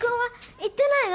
行ってないの？